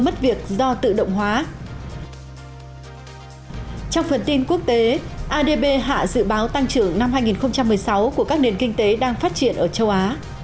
trong phần tin quốc tế adb hạ dự báo tăng trưởng năm hai nghìn một mươi sáu của các nền kinh tế đang phát triển ở châu á